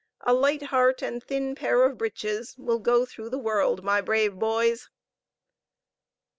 A light heart and thin pair of breeches Will go through the world, my brave boys!"